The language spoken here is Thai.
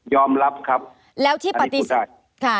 ยอมรับครับอันนี้พูดได้